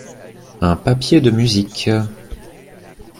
Un papier de musique ?